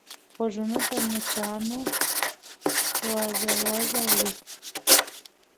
غوږونه د مچانو واز واز اوري